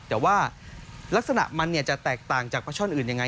แต่ว่าลักษณะมันจะแตกต่างจากปลาช่อนอื่นยังไง